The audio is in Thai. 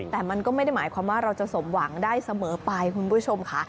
แต่มันก็ไม่ได้หมายความว่าเราจะสมหวังได้เสมอไปคุณผู้ชมค่ะ